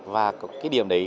và cái điểm đấy